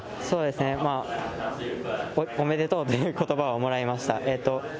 そうですね、おめでとうということばをもらいました。